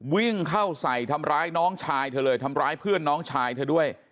วิ่งเข้าใส่ทำร้ายน้องชายเธอเลยทำร้ายเพื่อนน้องชายเธอด้วย